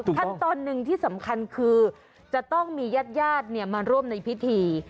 ขั้นตอนหนึ่งที่สำคัญคือจะต้องมีญาติญาติมาร่วมในพิธี